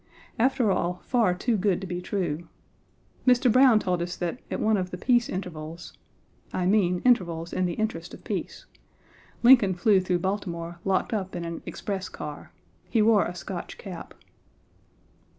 After all, far too good to be true. Mr. Browne told us that, at one of the peace intervals (I mean intervals in the interest of peace), Lincoln flew through Baltimore, locked up in an express car. He wore a Scotch cap.